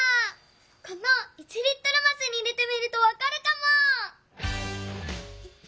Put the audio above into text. この１リットルますに入れてみるとわかるかも。